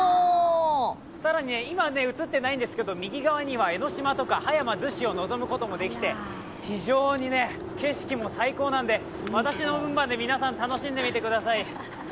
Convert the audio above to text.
更に今は映っていないんですけど、右側には江の島とか葉山、逗子を望むこともできて、非常に景色も最高なんで、私の分まで皆さん、楽しんでみてください。